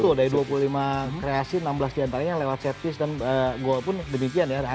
betul dari dua puluh lima kreasi enam belas jantanya lewat set fist dan goal pun demikian ya